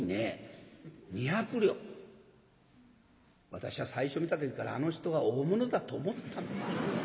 私は最初見た時からあの人は大物だと思ったの」。